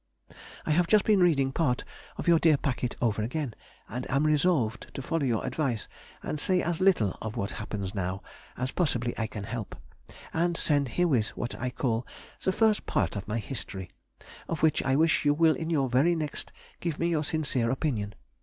I have just been reading part of your dear packet over again, and am resolved to follow your advice, and say as little of what happens now as possibly I can help, and send herewith what I call the first part of my History, of which I wish you will in your very next give me your sincere opinion.